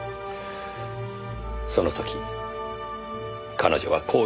その時彼女はこう言っていました。